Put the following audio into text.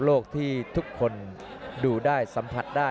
ขอบคุณครับ